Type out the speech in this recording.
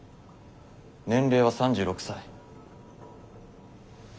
年齢は３６歳。